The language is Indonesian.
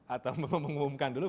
atau mengumumkan dulu